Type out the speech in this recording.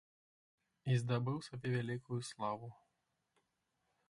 І здабыў сабе вялікую славу!